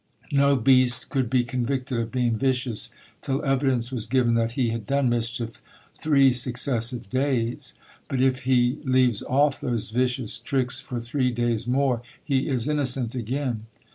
No beast could be convicted of being vicious till evidence was given that he had done mischief three successive days; but if he leaves off those vicious tricks for three days more, he is innocent again.